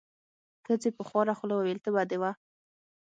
ښځې په خواره خوله وویل: تبه دې وه.